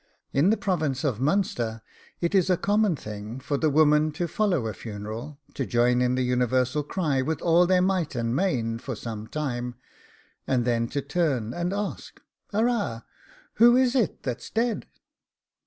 In the province of Munster it is a common thing for the women to follow a funeral, to join in the universal cry with all their might and main for some time, and then to turn and ask 'Arrah! who is it that's dead?